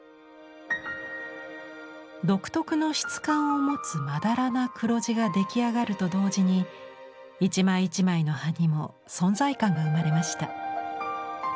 独特の質感を持つまだらな黒地が出来上がると同時に一枚一枚の葉にも存在感が生まれました。